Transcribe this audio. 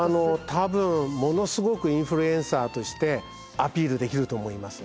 多分ものすごくインフルエンサーとしてアピールできると思います。